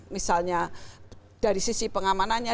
misalnya dari sisi pengamanannya